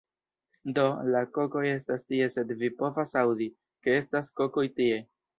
Do, la kokoj estas tie sed vi povas aŭdi, ke estas kokoj tie